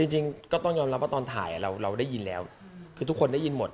จริงก็ต้องยอมรับว่าตอนถ่ายเราได้ยินแล้วคือทุกคนได้ยินหมด